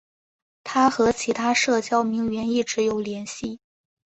她和其他社交名媛一直有联系。